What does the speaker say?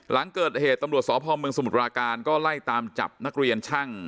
หลังเกิดเหตุตำรวจสพเมืองสมุทรปราการก็ไล่ตามจับนักเรียนช่าง